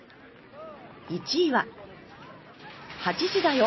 １位は「８時だよ！！